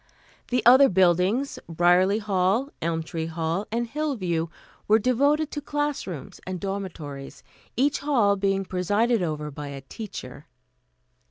The other buildings, Briarley Hall, Elmtree Hall and Hillview, were devoted to class rooms and dormitories, each hall being presided over by a teacher.